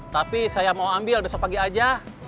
tapi saya mau ambil besok pagi aja